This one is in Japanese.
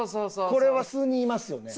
これは数人いますよね？